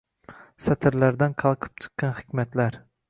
Satrlardan qalqib chiqqan hikmatlar